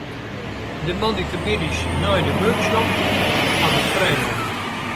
De moandeitemiddeis nei de workshop haw ik frij nommen.